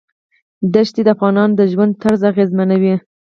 دښتې د افغانانو د ژوند طرز اغېزمنوي.